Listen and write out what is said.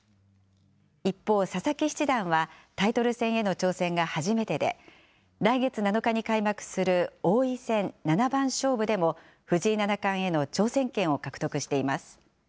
一方、佐々木七段は、タイトル戦への挑戦が初めてで、来月７日に開幕する王位戦七番勝負でも藤井七冠への挑戦権を獲得しています。